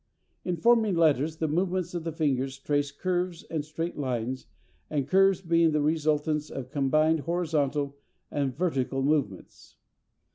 In forming letters, the movements of the fingers trace curves and straight lines, the curves being the resultants of combined horizontal and vertical movements.